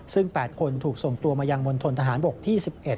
ซึ่ง๘คนถูกส่งตัวมายังมณฑนทหารบกที่๑๑